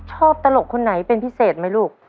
ตลกคนไหนเป็นพิเศษไหมลูก